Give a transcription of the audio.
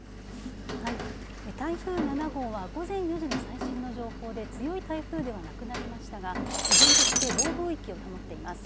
はい、台風７号は午前４時の最新の情報で強い台風ではなくなりましたが依然として暴風域を保っています。